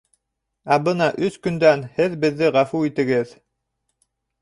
Ә бына өс көндән... һеҙ беҙҙе ғәфү итегеҙ!